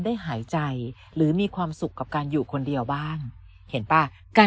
หายใจหรือมีความสุขกับการอยู่คนเดียวบ้างเห็นป่ะการ